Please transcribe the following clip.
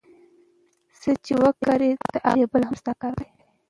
څه چي وکرې د هغه رېبل هم ستا کار دئ.